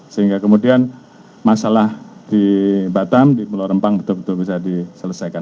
sehingga kemudian masalah di batam di pulau rempang betul betul bisa diselesaikan